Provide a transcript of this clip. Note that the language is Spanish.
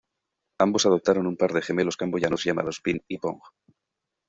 Ambos adoptaron un par de gemelos camboyanos llamados Ping y Pong.